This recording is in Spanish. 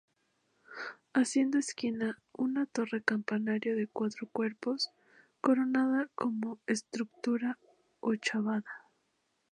Haciendo esquina, una torre-campanario de cuatro cuerpos, coronada con estructura ochavada.